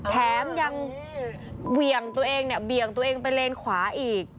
แถมยังเบี่ยงตัวเองไปเลนด์ขวาอีก